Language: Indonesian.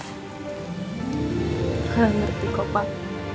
papa gak ngerti kok pak